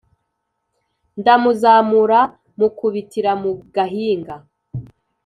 ndamuzamura mukubitira mu gahinga,